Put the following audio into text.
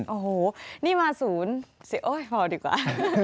โอ้โฮนี่มา๐โอ๊ยพอดีกว่า